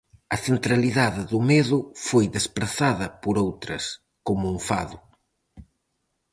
A centralidade do medo foi desprazada por outras, como o enfado.